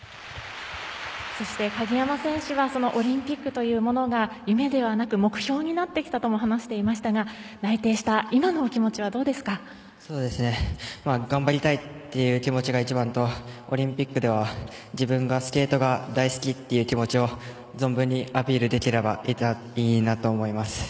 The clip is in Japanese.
そして鍵山選手はそのオリンピックというものが夢ではなく目標になってきたとも話していましたが内定した今のお気持ちは頑張りたいっていう気持ちが一番とオリンピックでは自分はスケートが大好きっていう気持ちを存分にアピールできればいいなと思います。